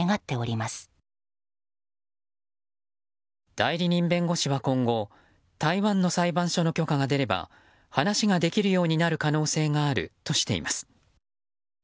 代理人弁護士は今後台湾の裁判所の許可が出れば話ができるようになる可能性があるとしています。